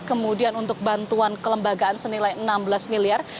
kemudian untuk bantuan kelembagaan senilai enam belas miliar